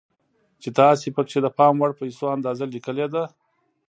چې تاسې پکې د پام وړ پيسو اندازه ليکلې ده.